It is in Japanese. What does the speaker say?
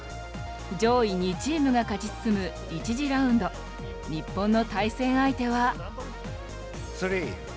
上位２チームが勝ち進む１次ラウンド日本の対戦相手は。